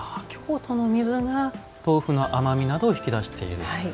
京都の水が豆腐の甘みなどを引き出している。